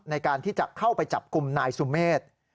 ในการที่จะเข้าไปจับกลุ่มนายสุเมฆ